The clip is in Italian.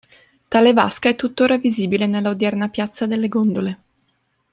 Tale vasca è tuttora visibile nella odierna Piazza delle Gondole.